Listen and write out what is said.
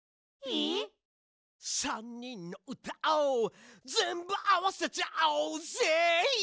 ３にんのうたをぜんぶあわせちゃおうぜイエ！